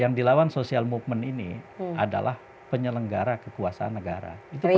yang dilawan social movement ini adalah penyelenggara kekuasaan negara